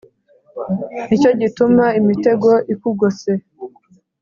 ni cyo gituma imitego ikugose,